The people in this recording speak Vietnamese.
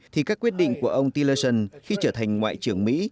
thì các quyết định của ông tilleron khi trở thành ngoại trưởng mỹ